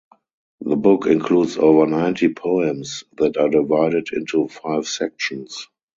The book includes over ninety poems that are divided into five sections.